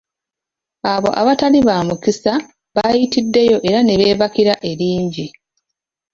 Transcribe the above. Abo abatali "ba mukisa" bayitiddeyo era ne beebakira eringi.